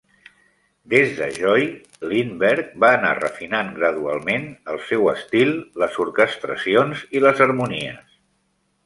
Des de "Joy", Lindberg va anar refinant gradualment el seu estil, les orquestracions i les harmonies.